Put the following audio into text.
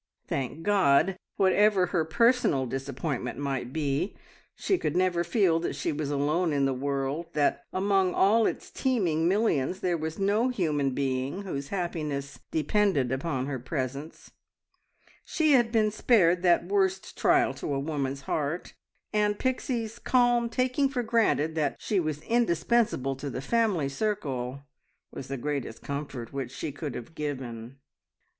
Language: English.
Thank God! Whatever her personal disappointment might be, she could never feel that she was alone in the world that among all its teeming millions there was no human being whose happiness depended upon her presence; she had been spared that worst trial to a woman's heart, and Pixie's calm taking for granted that she was indispensable to the family circle was the greatest comfort which she could have given.